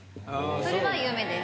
それは夢です。